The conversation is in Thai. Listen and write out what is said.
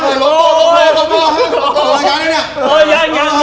โอ้โฮอย่างมันหลานละเกายังเลยนี่